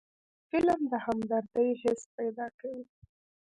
فلم د همدردۍ حس پیدا کوي